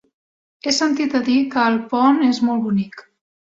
He sentit a dir que Alpont és molt bonic.